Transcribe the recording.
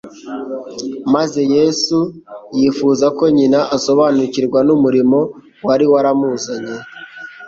maze Yesu yifuza ko nyina asobanukirwa n'umurimo wari waramuzanye